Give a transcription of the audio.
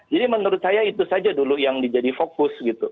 jadi menurut saya itu saja dulu yang menjadi fokus